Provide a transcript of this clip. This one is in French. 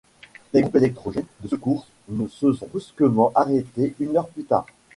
Les groupes électrogènes de secours se sont brusquement arrêtés une heure plus tard.